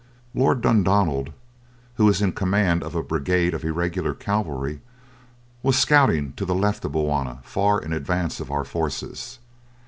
Lord Dundonald, who is in command of a brigade of irregular cavalry, was scouting to the left of Bulwana, far in advance of our forces.